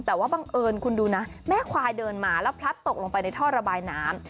แต่ว่าบังเอิญคุณดูนะแม่ควายเดินมาแล้วพลัดตกลงไปในท่อระบายน้ำ